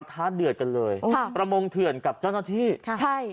ท้าเดือดกันเลยค่ะประมงเถื่อนกับเจ้าหน้าที่ค่ะใช่